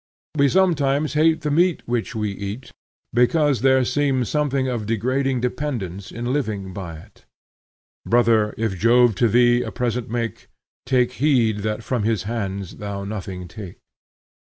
We sometimes hate the meat which we eat, because there seems something of degrading dependence in living by it: "Brother, if Jove to thee a present make, Take heed that from his hands thou nothing take."